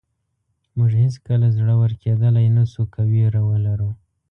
موږ هېڅکله زړور کېدلی نه شو که وېره ولرو.